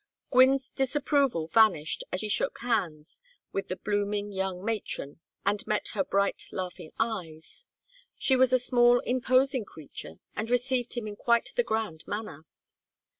Gwynne's disapproval vanished as he shook hands with the blooming young matron and met her bright laughing eyes. She was a small imposing creature and received him in quite the grand manner.